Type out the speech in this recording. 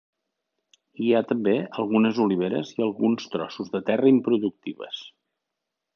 Hi ha també algunes oliveres i alguns trossos de terres improductives.